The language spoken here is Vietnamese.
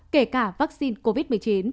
kể cả vaccine covid một mươi chín